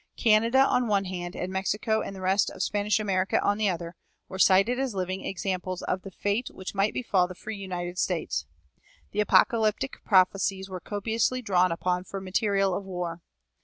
Canada on one hand, and Mexico and the rest of Spanish America on the other, were cited as living examples of the fate which might befall the free United States. The apocalyptic prophecies were copiously drawn upon for material of war.